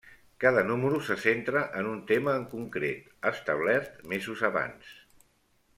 Cada número se centra en un tema en concret, establert mesos abans.